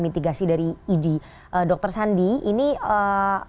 mitigasi dari idi dr sandi apa yang anda ingin mencari